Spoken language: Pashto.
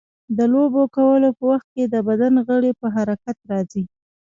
د لوبو کولو په وخت د بدن غړي په حرکت راځي.